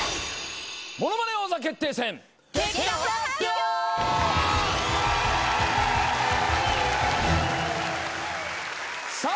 『ものまね王座決定戦』さあ